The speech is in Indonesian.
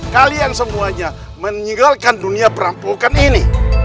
kalian semuanya meninggalkan dunia perampokan ini